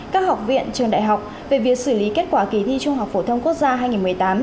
các học viện trường đại học về việc xử lý kết quả kỳ thi trung học phổ thông quốc gia hai nghìn một mươi tám